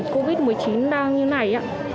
trong thời điểm dịch covid một mươi chín đang như này